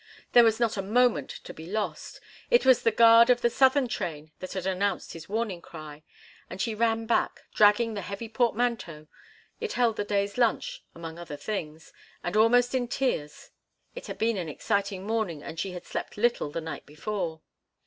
There was not a moment to be lost. It was the guard of the southern train that had sounded his warning cry, and she ran back, dragging the heavy portmanteau—it held the day's lunch, among other things—and almost in tears. It had been an exciting morning, and she had slept little the night before.